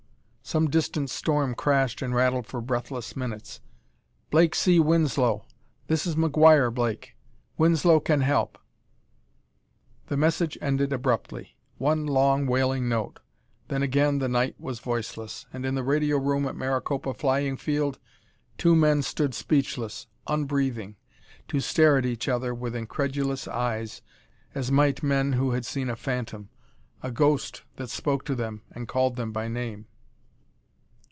Some distant storm crashed and rattled for breathless minutes. "Blake see Winslow. This is McGuire, Blake. Winslow can help " The message ended abruptly. One long, wailing note; then again the night was voiceless ... and in the radio room at Maricopa Flying Field two men stood speechless, unbreathing, to stare at each other with incredulous eyes, as might men who had seen a phantom a ghost that spoke to them and called them by name.